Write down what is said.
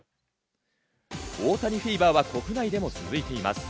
大谷フィーバーは国内でも続いています。